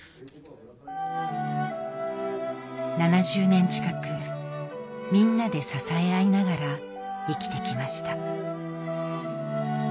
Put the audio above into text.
７０年近くみんなで支え合いながら生きて来ました